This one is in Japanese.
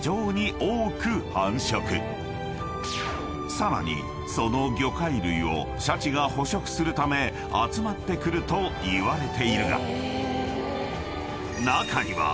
［さらにその魚介類をシャチが捕食するため集まってくるといわれているが］